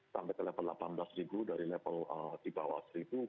sampai ke level delapan belas dari level di bawah satu